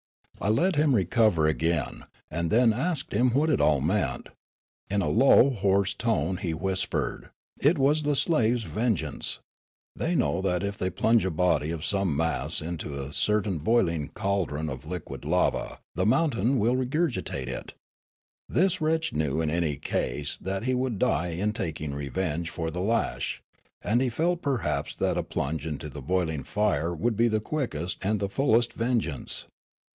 I let him re cover again, and then asked him what it all meant. In a low, hoarse tone he whispered :" It was the slave's vengeance. The}^ know that if they plunge a body of some mass into a certain boiling caldron of liquid lava, the mountain will regurgitate it. This wretch knew in any case that he would die in taking revenge for the lash, and he felt perhaps that a plunge into the boiling fire would be the quickest and the fullest vengeance.